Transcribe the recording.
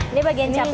ini bagian capitnya